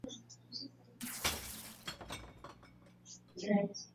kuna fursa nyingi zitaibuliwa na kuimarisha uchumi wa Zanzibar na watu wake